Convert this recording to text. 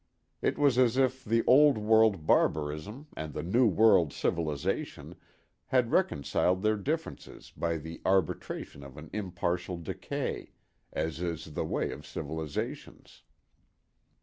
It was as if the Old World barbarism and the New World civilization had reconciled their differences by the arbitration of an impartial decay—as is the way of civilizations.